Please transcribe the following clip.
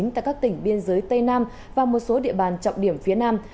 tại các tỉnh biên giới tây nam và một số địa bàn trọng điểm phía nam